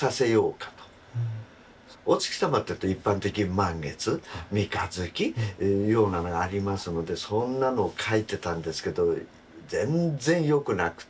お月様っていうと一般的に満月三日月ようなのがありますのでそんなのを描いてたんですけど全然よくなくて。